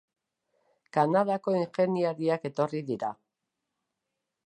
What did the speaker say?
Kanadako ingeniariak etorri dira.